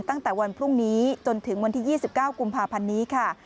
ตั้งแต่วันพรุ่งนี้จนถึงวันที่๒๙กุมภาพันธ์นี้ค่ะ